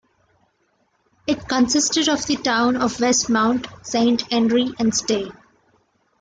It consisted of the town of Westmount, Saint Henri and Ste.